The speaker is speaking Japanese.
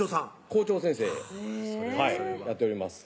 校長先生やっております